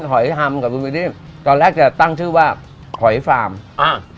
หอมกับมือดี้ตอนแรกจะตั้งชื่อว่าหอยฟาร์มอ่า